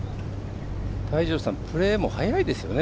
泰二郎さんプレーも速いですよね。